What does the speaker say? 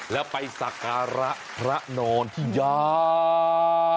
แล้วไปสักการะพระนอนที่ยา